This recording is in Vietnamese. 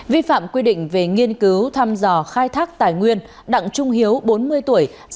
vi phạm quy định về nghiên cứu thăm dò khai thác tài nguyên đặng trung hiếu bốn mươi tuổi